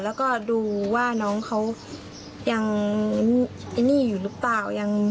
แล้วก็ดูว่าน้องเขายังไอ้นี่อยู่หรือเปล่า